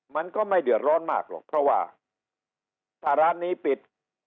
มันก็ไม่เดือดร้อนมากหรอกเพราะว่าถ้าร้านนี้ปิด